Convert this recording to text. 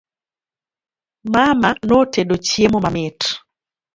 Mama notedo chiemo mamit